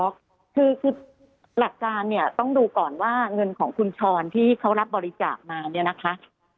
คือหลักการเนี่ยต้องดูก่อนว่าเงินของคุณชรที่เขารับบริจาคมาเนี่ยนะคะ